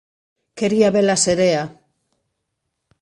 Quería ve-la serea.